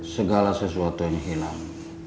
segala sesuatu yang hilang